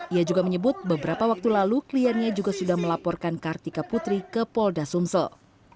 ia juga menyebut beberapa waktu lalu kliennya juga sudah melaporkan kartika putri ke polda sumsel